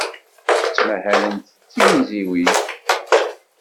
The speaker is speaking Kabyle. Ttmahalent d tiwiziwin.